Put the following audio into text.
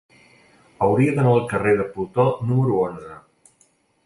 Hauria d'anar al carrer de Plutó número onze.